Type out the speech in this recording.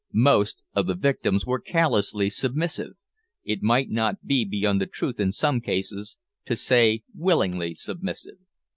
Most of the victims were callously submissive; it might not be beyond the truth, in some cases, to say willingly submissive.